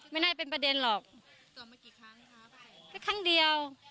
ไม่น่าเป็นประเด็นหรอกตรวจมากี่ครั้งคะแค่ครั้งเดียว